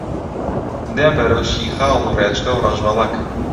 دێم بەرەو شیخاڵ و ڕێچکە و ڕەشبەڵەک